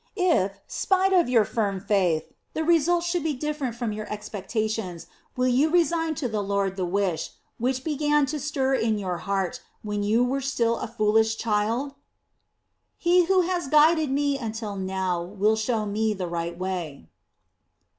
If, spite of your firm faith, the result should be different from your expectations, will you resign to the Lord the wish which began to stir in your heart, when you were still a foolish child?" "He who has guided me until now will show me the right way."